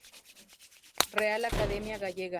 Real Academia Gallega.